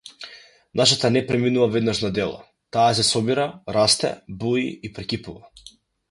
Нашата не преминува веднаш на дело, таа се собира, расте, буи и прекипува.